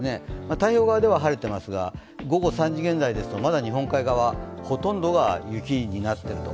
太平洋側では晴れていますが午後３時現在ですと、まだ日本海側、ほとんどが雪になっていると。